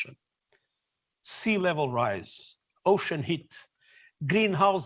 kondisi lautan di bumi meningkat